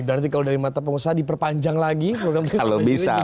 jadi kalau dari mata pengusaha diperpanjang lagi program prisma business ini